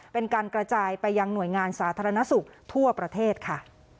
เป็นการกระจายไปยังหน่วยงานสาธารณสุขทั่วประเทศค่ะ